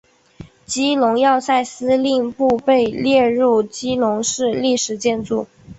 基隆要塞司令部被列入基隆市历史建筑。